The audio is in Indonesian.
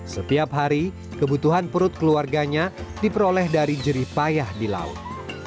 setiap hari kebutuhan perut keluarganya diperoleh dari jeripayah di laut